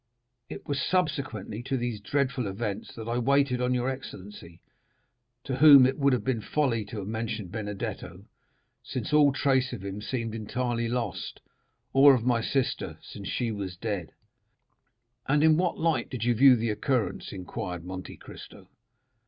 "It was subsequently to these dreadful events that I waited on your excellency, to whom it would have been folly to have mentioned Benedetto, since all trace of him seemed entirely lost; or of my sister, since she was dead." "And in what light did you view the occurrence?" inquired Monte Cristo.